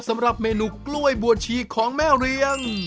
สำหรับเมนูกล้วยบัวชีของแม่เรียง